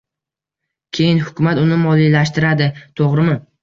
Keyin hukumat uni moliyalashtiradi, toʻgʻrimi?